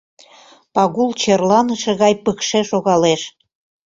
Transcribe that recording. Пагул черланыше гай пыкше шогалеш.